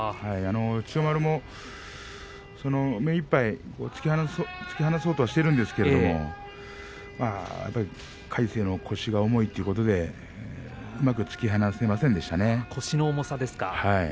千代丸も目いっぱい突き放そうとしているんですけれども魁聖の腰が重いということで腰の重さですか。